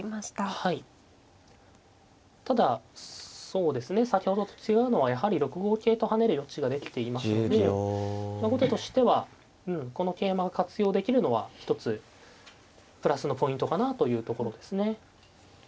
ただそうですね先ほどと違うのはやはり６五桂と跳ねる余地ができていますので後手としてはこの桂馬を活用できるのは一つプラスのポイントかなというところですね。